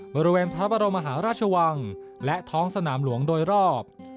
บริเวณพระบรมมหาราชวังและท้องสนามหลวงโดยรอบ